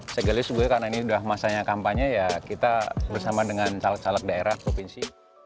segalus karena ini sudah masanya kampanye kita bersama dengan caleg caleg daerah provinsi